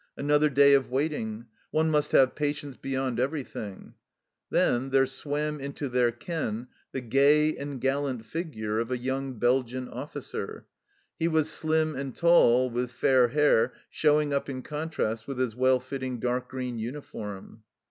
Another day of waiting! One must have patience beyond everything !" Then there swam into their ken the gay and gallant figure of a young Belgian officer ; he was slim and tall, with fair hair, showing up in contrast with his well fitting dark green uniform.